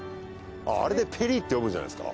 あれでペリーって読むんじゃないですか？